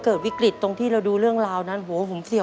อเรนนี่ต้องมีวัคซีนตัวหนึ่งเพื่อที่จะช่วยดูแลพวกม้ามและก็ระบบในร่างกาย